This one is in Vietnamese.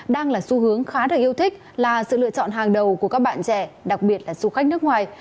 đang là xu hướng khá được yêu thích là sự lựa chọn hàng đầu của các bạn trẻ đặc biệt là du khách nước ngoài